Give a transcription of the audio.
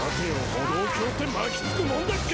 歩道橋って巻きつくもんだっけ？